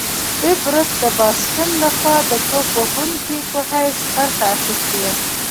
بېب رت د باسټن لخوا د توپ وهونکي په حیث برخه اخیستې وه.